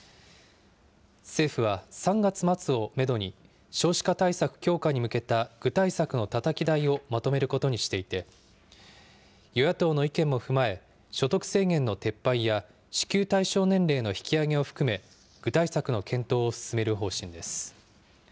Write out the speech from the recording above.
政府は３月末をメドに、少子化対策強化に向けた具体策のたたき台をまとめることにしていて、与野党の意見も踏まえ、所得制限の撤廃や支給対象年齢の引き上げを含め、具体策の検討を進める方針です。